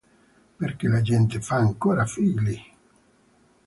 Perché la gente fa ancora figli?